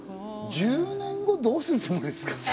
１０年後、どうするつもりですか？